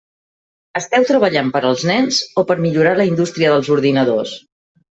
Esteu treballant per als nens o per a millorar la indústria dels ordinadors?